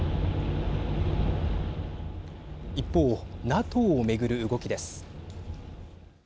一方ＮＡＴＯをめぐる動きです。